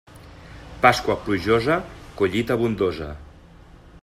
Pasqua plujosa, collita abundosa.